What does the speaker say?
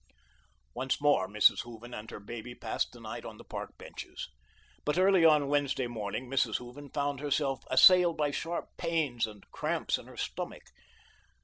Once more, Mrs. Hooven and her baby passed the night on the park benches. But early on Wednesday morning, Mrs. Hooven found herself assailed by sharp pains and cramps in her stomach.